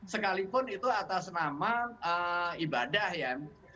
sekalipun itu atas nama ibadah ya